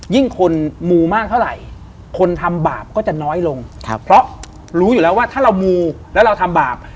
คนมูมากเท่าไหร่คนทำบาปก็จะน้อยลงเพราะรู้อยู่แล้วว่าถ้าเรามูแล้วเราทำบาป